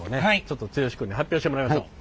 ちょっと剛君に発表してもらいましょう。